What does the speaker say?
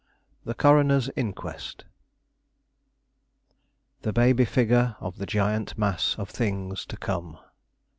THE CORONER'S INQUEST "The baby figure of the giant mass Of things to come."